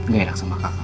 gak enak sama kakak